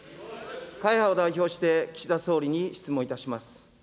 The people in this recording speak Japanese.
会派を代表して、岸田総理に質問いたします。